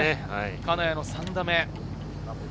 金谷の３打目。